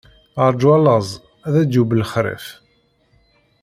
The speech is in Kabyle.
Ṛǧu a laẓ, ar ad yeww lexṛif!